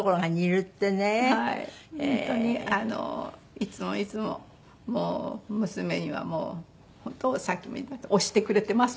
いつもいつも娘にはもう本当押してくれてます